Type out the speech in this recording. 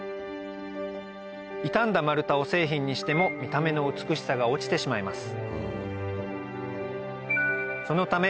傷んだ丸太を製品にしても見た目の美しさが落ちてしまいます